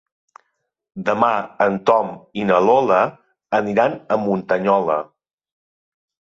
Demà en Tom i na Lola aniran a Muntanyola.